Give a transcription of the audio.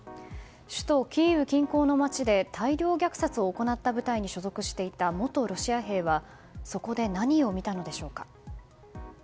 首都キーウ近郊の街で大量虐殺を行った部隊に所属していた元ロシア兵はそこで何を見たのでしょうか。